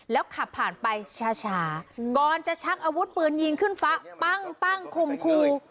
แล้วขับผ่านไปช้าก่อนจะชักอาวุธปืนยิงขึ้นฟ้าปั้งคมครู